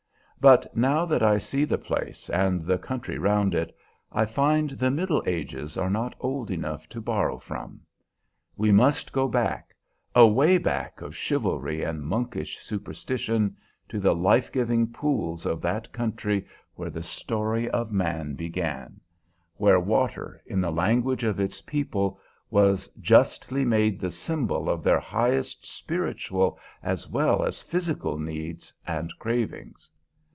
But now that I see the place and the country round it, I find the Middle Ages are not old enough to borrow from. We must go back, away back of chivalry and monkish superstition, to the life giving pools of that country where the story of man began; where water, in the language of its people, was justly made the symbol of their highest spiritual as well as physical needs and cravings.